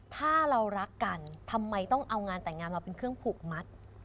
ถ้าเรารักกันทำไมต้องเอางานแต่งงานมาเป็นเครื่องผูกมัด